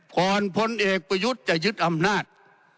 พลเอกประยุทธ์จะยึดอำนาจ